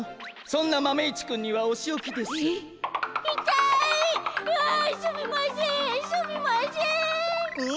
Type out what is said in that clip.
そんなマメ１くんにはおしおきです。え？